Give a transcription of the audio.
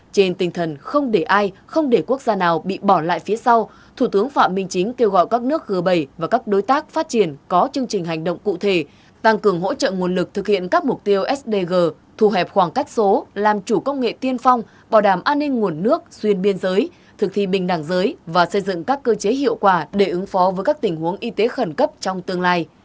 trên tinh thần không để ai không để quốc gia nào bị bỏ lại phía sau thủ tướng phạm minh chính kêu gọi các nước g bảy và các đối tác phát triển có chương trình hành động cụ thể tăng cường hỗ trợ nguồn lực thực hiện các mục tiêu sdg thù hẹp khoảng cách số làm chủ công nghệ tiên phong bảo đảm an ninh nguồn nước xuyên biên giới thực thi bình đẳng giới và xây dựng các cơ chế hiệu quả để ứng phó với các tình huống y tế khẩn cấp trong tương lai